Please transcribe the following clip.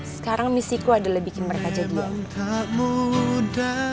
sekarang misiku adalah bikin mereka jadi muda